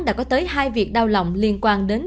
đã có tới hai việc đau lòng liên quan đến